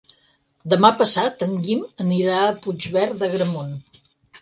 Demà passat en Guim anirà a Puigverd d'Agramunt.